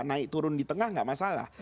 naik turun di tengah nggak masalah